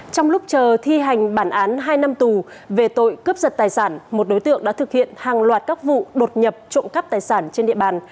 trong lúc chờ thi hành bản án hai năm tù về tội cướp giật tài sản một đối tượng đã thực hiện hàng loạt các vụ đột nhập trộm cắp tài sản trên địa bàn